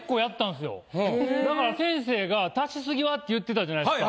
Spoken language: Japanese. だから先生が「足し過ぎは」って言ってたじゃないですか。